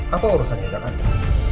apa urusannya dengan andin